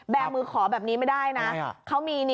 มือขอแบบนี้ไม่ได้นะ